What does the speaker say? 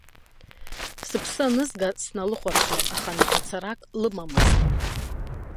Сыԥсы анызга сналыхәаԥшит, аха нақәацарак лымамызт.